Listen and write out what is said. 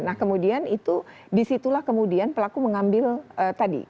nah kemudian itu disitulah kemudian pelaku mengambil tadi